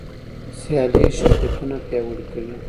سیالي شرکتونه پیاوړي کوي.